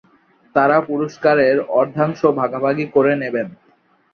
তারা পুরস্কারের অর্ধাংশ ভাগাভাগি করে নেবেন।